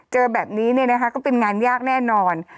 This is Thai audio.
เจอแบบนี้เนี่ยนะคะก็เป็นงานยากแน่นอน